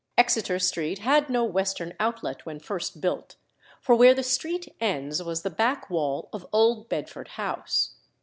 Exeter Street had no western outlet when first built; for where the street ends was the back wall of old Bedford House.